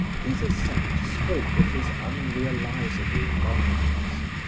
Des Esseintes spoke of his unrealizable longings.